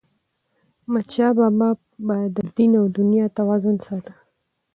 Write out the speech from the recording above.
احمدشاه بابا به د دین او دنیا توازن ساته.